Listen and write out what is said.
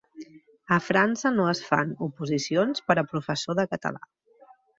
A França no es fan oposicions per a professor de català